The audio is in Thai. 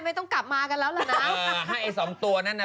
ไม่ต้องกลับมากันแล้วล่ะนะอ่าให้ไอ้สองตัวนั้นน่ะ